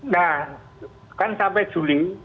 nah kan sampai juli